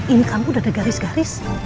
ini kamu udah ada garis garis